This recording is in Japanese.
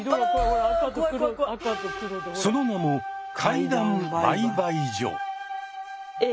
その名も「怪談売買所」。